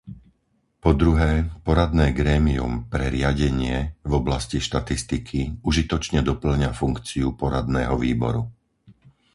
Po druhé, Poradné grémium pre riadenie v oblasti štatistiky užitočne dopĺňa funkciu Poradného výboru.